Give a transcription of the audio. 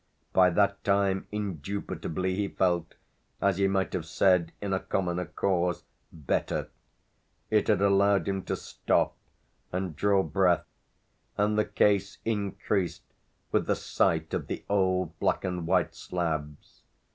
By that time indubitably he felt, as he might have said in a commoner cause, better; it had allowed him to stop and draw breath, and the case increased with the sight of the old black and white slabs.